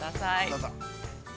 ◆どうぞ。